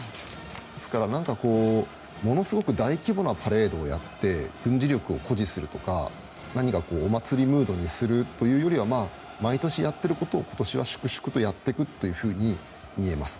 ですから、ものすごく大規模なパレードをやって軍事力を誇示するとか何かお祭りムードにするというよりは毎年やっていることを今年は粛々とやっていくというふうに見えます。